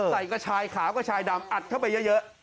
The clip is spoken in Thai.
กระชายขาวกระชายดำอัดเข้าไปเยอะ